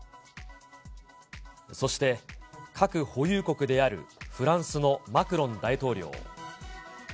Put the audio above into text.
そして、核保有国であるフランスのマクロン大統領。